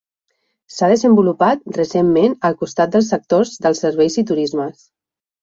S'ha desenvolupat recentment al costat dels sectors de serveis i turisme.